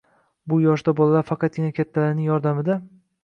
Bu yoshda bolalar faqatgina kattalarning yordamida